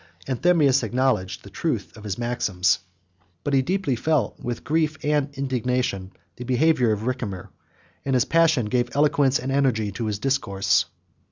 Anthemius acknowledged the truth of his maxims; but he deeply felt, with grief and indignation, the behavior of Ricimer, and his passion gave eloquence and energy to his discourse.